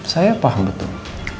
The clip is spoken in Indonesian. saya paham betul